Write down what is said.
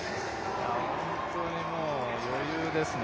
本当にもう余裕ですね。